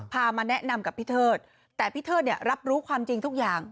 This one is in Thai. มาแนะนำกับพี่เทิดแต่พี่เทิดเนี่ยรับรู้ความจริงทุกอย่าง